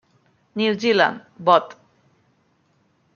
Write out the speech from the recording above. New Zealand, Bot.